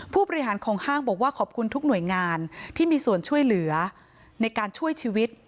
ผู้บริหารของห้างบอกว่าขอบคุณทุกหน่วยงานที่มีส่วนช่วยเหลือในการช่วยชีวิต